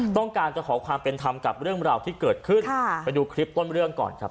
ต้องการจะขอความเป็นธรรมกับเรื่องราวที่เกิดขึ้นไปดูคลิปต้นเรื่องก่อนครับ